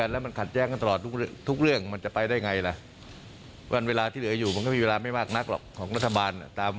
แล้วใครทำใครตอบก็ไม่รู้เหมือนกัน